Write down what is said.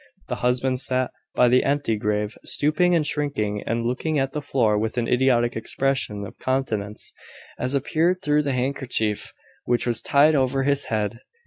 The husband sat by the empty grate, stooping and shrinking, and looking at the floor with an idiotic expression of countenance, as appeared through the handkerchief which was tied over his head.